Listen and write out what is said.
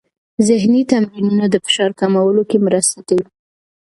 ذهني تمرینونه د فشار کمولو کې مرسته کوي.